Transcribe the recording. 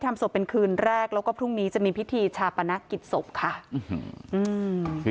แล้วคุยกับลูกชายก็ได้